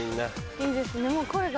いいですね声が。